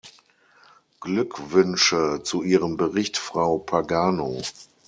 Glückwünsche zu Ihrem Bericht, Frau Pagano!